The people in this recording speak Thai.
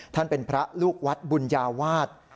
เป็นพระลูกวัดบุญญาวาส